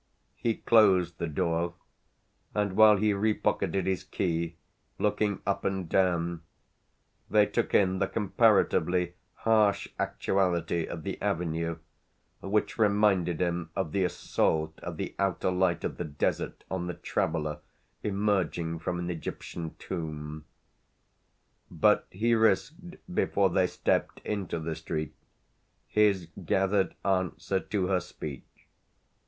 He closed the door and, while he re pocketed his key, looking up and down, they took in the comparatively harsh actuality of the Avenue, which reminded him of the assault of the outer light of the Desert on the traveller emerging from an Egyptian tomb. But he risked before they stepped into the street his gathered answer to her speech.